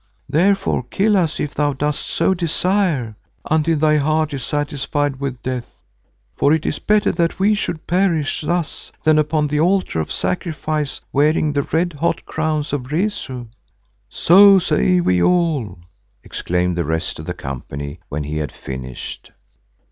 Therefore kill us if thou dost so desire, until thy heart is satisfied with death. For it is better that we should perish thus than upon the altar of sacrifice wearing the red hot crowns of Rezu." "So say we all," exclaimed the rest of the company when he had finished.